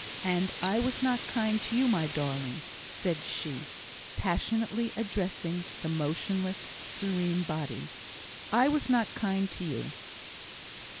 And I was not kind to you, my darling," said she, passionately addressing the motionless, serene body "I was not kind to you.